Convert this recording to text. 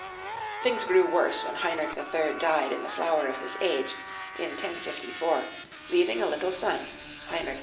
Things grew worse when Heinrich III. died in the flower of his age, in 1054, leaving a little son, Heinrich IV.